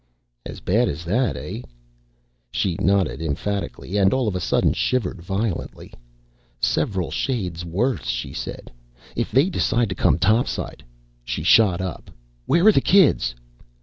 "As bad as that, hey?" She nodded emphatically and all of a sudden shivered violently. "Several shades worse," she said. "If they decide to come topside " She shot up. "Where are the kids?"